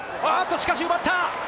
しかし奪った！